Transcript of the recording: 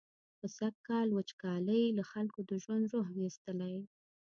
خو سږکال وچکالۍ له خلکو د ژوند روح ویستلی.